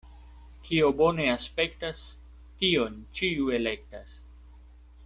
Kio bone aspektas, tion ĉiu elektas.